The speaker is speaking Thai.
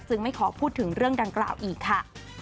ไม่ขอพูดถึงเรื่องดังกล่าวอีกค่ะ